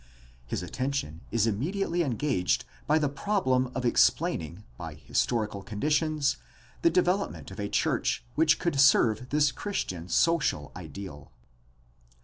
His attention is immediately engaged by the problem of explain ing by historical conditions the development of a church which could serve this Christian social ideal.